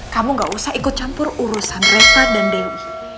kamu gak usah ikut campur urusan repa dan dewi